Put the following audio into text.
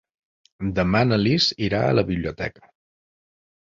Demà na Lis irà a la biblioteca.